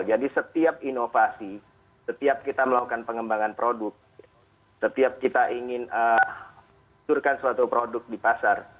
jadi setiap inovasi setiap kita melakukan pengembangan produk setiap kita ingin mencurkan suatu produk di pasar